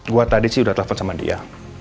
gue tadi sih udah telepon sama dia